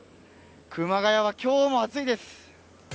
熊谷は今日も暑いです！